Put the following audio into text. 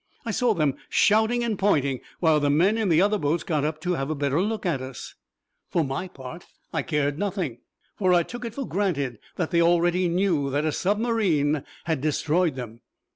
I saw them shouting and pointing, while the men in the other boats got up to have a better look at us. For my part, I cared nothing, for I took it for granted that they already knew that a submarine had destroyed them.